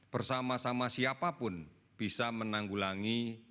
bersama sama siapapun bisa menanggulangi